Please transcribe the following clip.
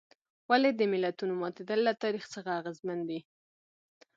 ولې د ملتونو ماتېدل له تاریخ څخه اغېزمن دي.